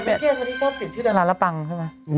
แต่แม่แก้วตอนนี้ชอบเปลี่ยนชื่อดาราละปังใช่ไหม